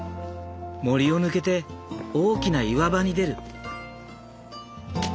森を抜けて大きな岩場に出る。